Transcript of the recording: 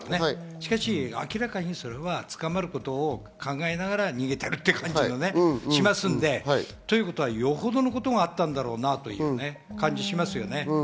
しかし明らかにそれは捕まることを考えながら逃げてるっていう感じがしますので、よほどのことがあったんだろうなという感じがしますよね。